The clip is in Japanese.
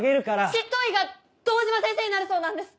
執刀医が堂島先生になるそうなんです！